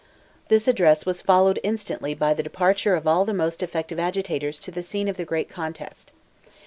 This address was followed instantly by the departure of all the most effective agitators to the scene of the great contest.